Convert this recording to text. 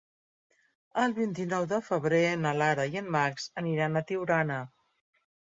El vint-i-nou de febrer na Lara i en Max aniran a Tiurana.